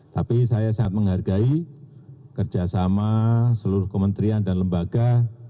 tapi saya sangat menghargai kerjasama seluruh kementerian dan lembaga